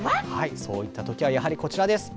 そういったときはやはりこちらです。